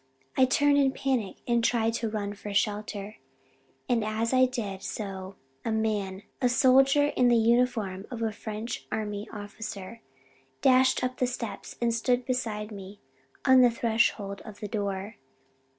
I turned in panic and tried to run for shelter, and as I did so a man a soldier in the uniform of a French army officer dashed up the steps and stood beside me on the threshold of the door.